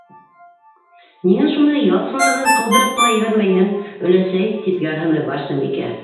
Ниңә шуны ялсыларҙан ҡыуҙырып ҡына ебәрмәйһең, өләсәй! - тип ярһыны Барсынбикә.